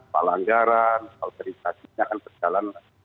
pelanggaran alteritasinya akan berjalan